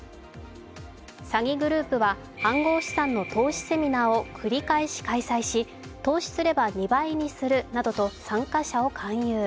詐欺グループは、暗号資産の投資セミナーを繰り返し開催し投資すれば２倍にするなどと参加者を勧誘。